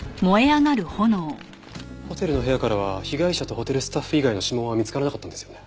ホテルの部屋からは被害者とホテルスタッフ以外の指紋は見つからなかったんですよね？